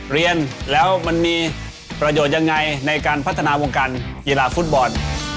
เรียนแล้วมันมีประโยชน์ยังไงในการพัฒนาวงการกีฬาฟุตบอล